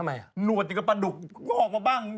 หนวดนี้ก็ปะดุกออกมาบ้าง